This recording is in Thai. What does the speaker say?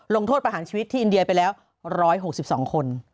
ลงโทษประหารชีวิตที่อินเดียไปแล้ว๑๖๒คน